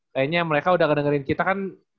kayaknya mereka udah ngedengerin kita kan